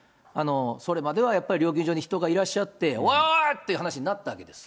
それまではやっぱり料金所に人がいらっしゃって、わーって話になったわけです。